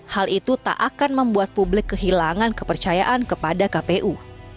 hal itu tak akan membuat publik kehilangan kepercayaan kepada kpu